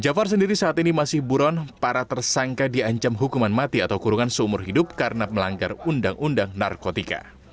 jafar sendiri saat ini masih buron para tersangka diancam hukuman mati atau kurungan seumur hidup karena melanggar undang undang narkotika